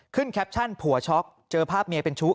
แคปชั่นผัวช็อกเจอภาพเมียเป็นชู้